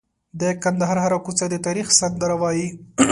د کندهار هره کوڅه د تاریخ سندره وایي.